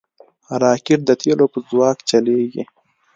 راکټ د تیلو په ځواک چلیږي